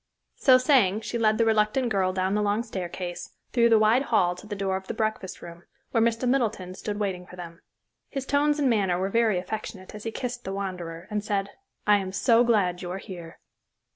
So saying, she led the reluctant girl down the long staircase, through the wide hall to the door of the breakfast room, where Mr. Middleton stood waiting for them. His tones and manner were very affectionate as he kissed the wanderer, and said, "I am so glad you're here."